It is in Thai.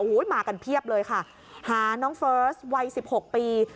โอ้โหมากันเพียบเลยค่ะหาน้องเฟิร์สวัยสิบหกปี